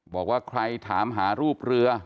บอกว่าใครถามหารูปเรือ